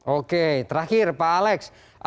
oke terakhir pak alex